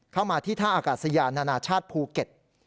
เข้ามาที่ท่าอากาศยานานาชาติภูเก็ต